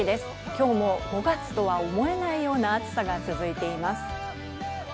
きょうも５月とは思えないような暑さが続いています。